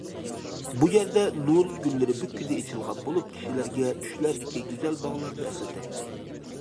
بۇ يەردە نورۇز گۈللىرى بۈككىدە ئېچىلغان بولۇپ، كىشىلەرگە چۈشلەردىكى گۈزەل باغلارنى ئەسلىتەتتى.